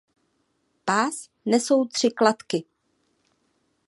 Pás nesou tři kladky.